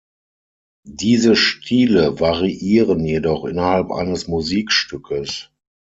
Diese Stile variieren jedoch innerhalb eines Musikstückes.